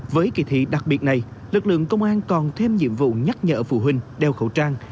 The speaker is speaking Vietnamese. với kỳ thị đặc biệt này lực lượng công an còn thêm nhiệm vụ nhắc nhở phụ huynh đeo khẩu trang